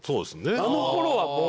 あの頃はもう。